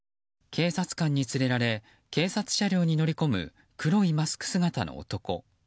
警察官に連れられ警察車両に乗り込む黒いマスク姿の男。